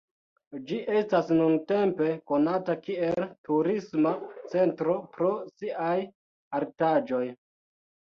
Ĝi estas nuntempe konata kiel turisma centro pro siaj artaĵoj.